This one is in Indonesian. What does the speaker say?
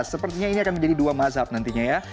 sepertinya ini akan menjadi dua mazhab nantinya ya